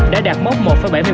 đã đạt mốc một bảy mươi bảy m